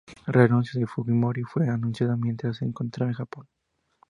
La renuncia de Fujimori fue anunciada mientras se encontraba en Japón.